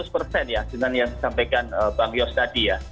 dengan yang disampaikan bang yos tadi